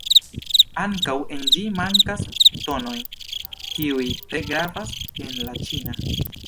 Ankaŭ, en ĝi mankas tonoj, kiuj tre gravas en la ĉina.